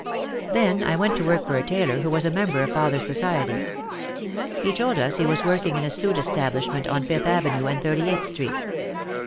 Then I went to work for a tailor who was a member of father's society. He told us he was working in a suit establishment on Fifth Avenue and Thirty eighth Street.